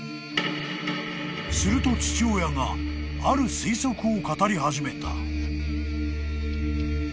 ［すると父親がある推測を語り始めた］